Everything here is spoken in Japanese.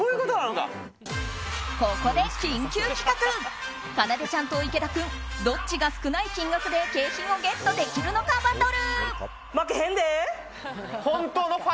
かなでちゃんと池田君どっちが少ない金額で景品をゲットできるのかバトル！